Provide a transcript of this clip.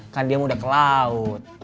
kan dia udah ke laut